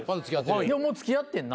もう付き合ってんな？